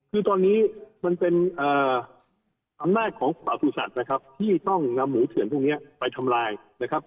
คือตอนนี้มันเป็นอำนาจของประสุทธิ์นะครับที่ต้องนำหมูเถื่อนพวกนี้ไปทำลายนะครับ